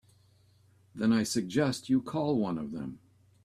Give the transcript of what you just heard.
Then I suggest you call one of them.